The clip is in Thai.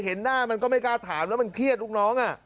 เห็นหน้ามันก็ไม่กล้าถามแล้วมันเครียดลูกน้อง